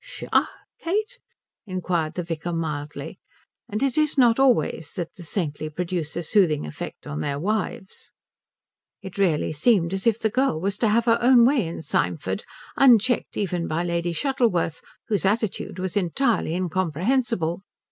"Psha, Kate?" inquired the vicar mildly; and it is not always that the saintly produce a soothing effect on their wives. It really seemed as if the girl were to have her own way in Symford, unchecked even by Lady Shuttleworth, whose attitude was entirely incomprehensible.